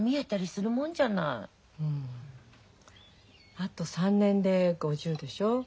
あと３年で５０でしょ。